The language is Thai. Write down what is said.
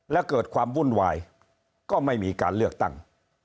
และเกิดความวุ่นวายก็ไม่มีการเลือกตั้ง